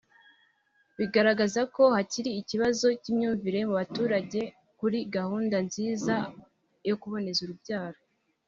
Bigaragaza ko hakiri ikibazo cy’imyumvire mu baturage kuri gahunda nziza yo kuboneza urubyaro